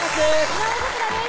井上咲楽です